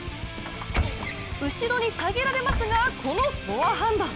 後ろに下げられますがこのフォアハンド！